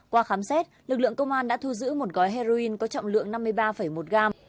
qua khám xét lực lượng công an đã thu giữ một gói heroin có trọng lượng năm mươi ba một gram